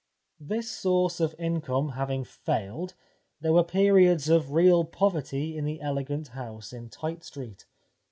This source of income having failed there were periods of real poverty in the elegant house in Tite Street.